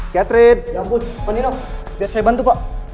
katrin ya ampun pak nino biar saya bantu pak